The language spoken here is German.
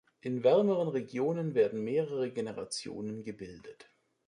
In wärmeren Regionen werden mehrere Generationen gebildet.